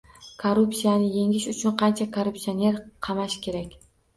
Korrupsiyani yengish uchun qancha korrupsionerni qamash kerak?